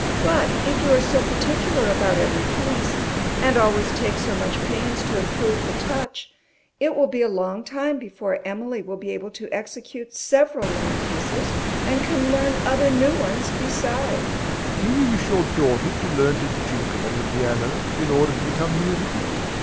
MRS. SOLID. But, if you are so particular about every piece, and always take so much pains to improve the touch, it will be a long time before Emily will be able to execute several long pieces and can learn other new ones beside. DOMINIE. Do you wish your daughter to learn to jingle on the piano, in order to become musical?